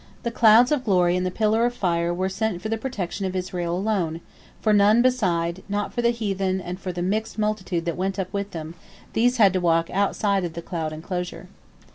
The clouds of glory and the pillar of fire were sent for the protection of Israel alone, for none beside, not for the heathen and not for the mixed multitude that went up with them; these had to walk outside of the cloud enclosure.